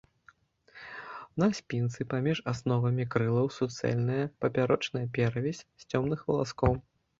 На спінцы паміж асновамі крылаў суцэльная папярочная перавязь з цёмных валаскоў.